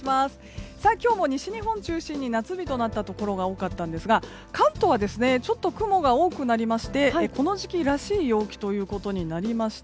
今日も西日本中心に夏日となったところが多かったんですが関東はちょっと雲が多くなりこの時期らしい陽気となりました。